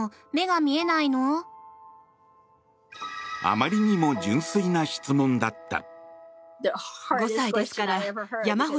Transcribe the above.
あまりにも純粋な質問だった。